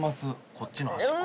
こっちの端っこ。